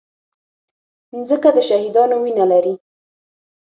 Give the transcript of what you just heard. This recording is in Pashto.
مځکه د شهیدانو وینه لري.